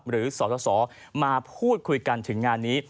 หรือสสมาพูดคุยกันถึงงานนี้